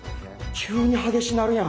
急に激しなるやん！